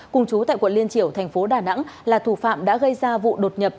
cùng chú tại quận liên triểu tp đà nẵng là thủ phạm đã gây ra vụ đột nhập